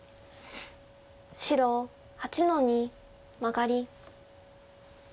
白８の二マガリ。